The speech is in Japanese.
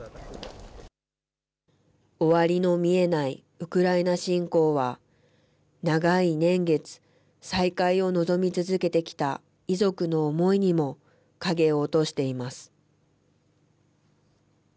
ウクライナ侵攻は、長い年月、再会を望み続けてきた遺族の思いにも影を落としています。